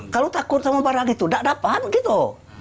kalau takut sama barang itu tidak dapat gitu